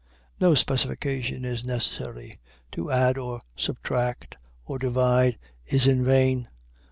No specification is necessary to add or subtract or divide is in vain.